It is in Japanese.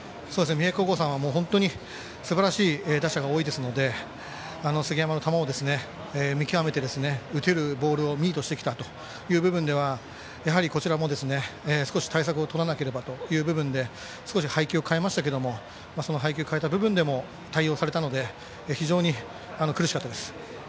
三重高校さんは本当にすばらしい打者が多いですので杉山の球も見極めて打てるボールをミートしてきたという部分ではやはり、こちらも少し対策をとらないとという部分で少し配球を変えましたけどもその配球を変えた部分でも対応されたので非常に苦しかったです。